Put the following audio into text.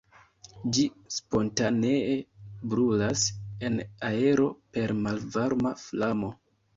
Ĝi spontanee brulas en aero per malvarma flamo.